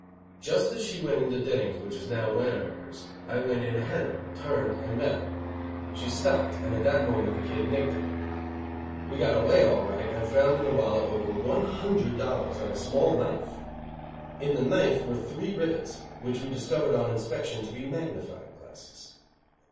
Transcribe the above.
Just as she went into Denning's which is now Wanamaker's, I went in ahead of her, turned and met her. She stopped; and at that moment the Kid nicked her. We got away all right and found in the wallet over one hundred dollars and a small knife. In the knife were three rivets, which we discovered on inspection to be magnifying glasses.